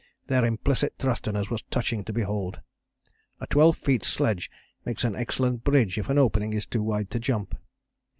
Their implicit trust in us was touching to behold. A 12 feet sledge makes an excellent bridge if an opening is too wide to jump.